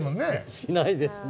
しないですね。